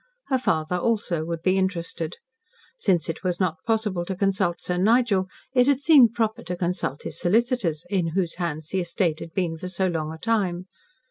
Her father also would be interested. Since it was not possible to consult Sir Nigel, it had seemed proper to consult his solicitors in whose hands the estate had been for so long a time.